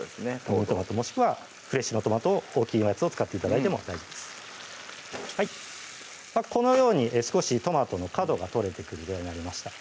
ミニトマトもしくはフレッシュなトマトを大きいやつを使って頂いても大丈夫ですこのように少しトマトの角が取れてくるぐらいになりました